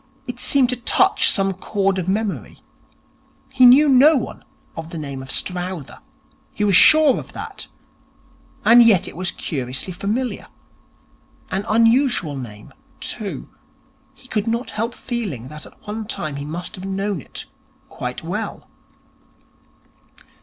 It seemed to touch some chord of memory. He knew no one of the name of Strowther. He was sure of that. And yet it was curiously familiar. An unusual name, too. He could not help feeling that at one time he must have known it quite well.